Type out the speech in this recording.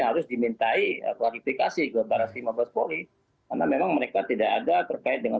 harus dimintai klarifikasi ke baras lima belas polri karena memang mereka tidak ada terkait dengan